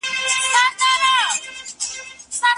زدهکوونکي د ښوونځي د همږغی په فضا کي وده کوي.